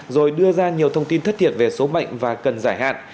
mang nhiều thông tin thất thiệt về số mệnh và cần giải hạn